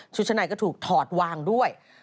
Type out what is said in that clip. ชุดชั้นในก็ถูกถอดวางด้วย